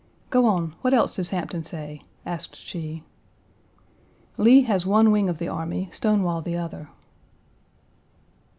"Go on; what else does Hampton say?" asked she. "Lee has one wing of the army, Stonewall the other."